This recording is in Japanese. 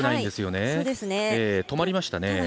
止まりましたね。